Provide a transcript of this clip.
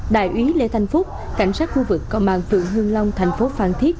đại ủy lê thành phúc cảnh sát khu vực công an phường hưng long thành phố phan thiết